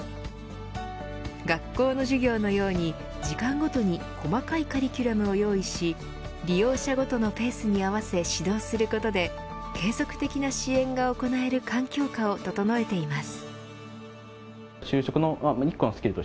学校の授業のように、時間ごとに細かいカリュキュラムを用意し利用者ごとのペースに合わせ指導することで継続的な支援が行える環境下を整えています。